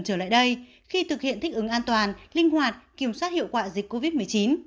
trở lại đây khi thực hiện thích ứng an toàn linh hoạt kiểm soát hiệu quả dịch covid một mươi chín